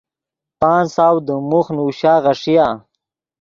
پانچ سو دیم موخ نوشا غیݰیا۔